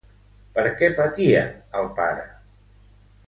Per què patia, el pare?